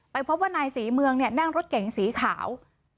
ไปพบว่านายสีเมืองเนี่ยนั่งรถเก่งสีขาว